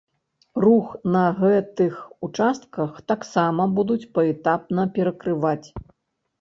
Рух на гэтых участках таксама будуць паэтапна перакрываць.